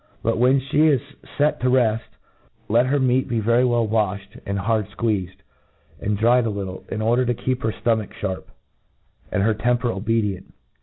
But when fhc is fct to reft, let her meat be ve ry well waflied, and hard fqucezed, and dried a little, in order to keep her ftoinach fliarp, and her temper obedient.